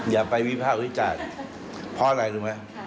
อย่าไปวิภาควิจารณ์เพราะอะไรรู้ไหม